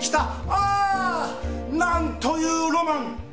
ああなんというロマン！